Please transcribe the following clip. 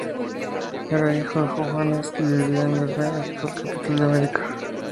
Era hijo de Hovhannes y vivía en Ereván, actual capital de Armenia.